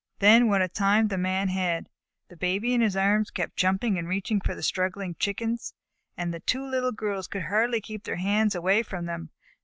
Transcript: Then what a time the Man had! The Baby in his arms kept jumping and reaching for the struggling Chickens, and the two Little Girls could hardly keep their hands away from them.